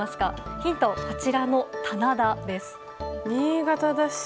ヒント、こちらの棚田です。